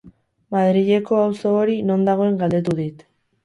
Madrileko auzo hori non dagoen galdetu dit.